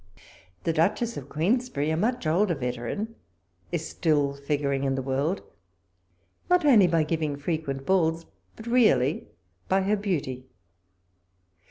The Duchess of Queensberry, a much older veteran, is still figuring in the world, not only by giving frequent balls, but really by her beauty.